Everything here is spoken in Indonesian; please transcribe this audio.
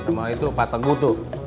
nama itu pak teguh tuh